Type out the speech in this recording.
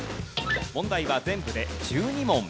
問題は全部で１２問。